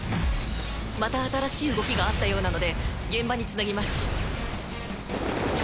また新しい動きがあったようなので現場につなぎます。